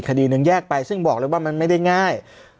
คดีหนึ่งแยกไปซึ่งบอกเลยว่ามันไม่ได้ง่าย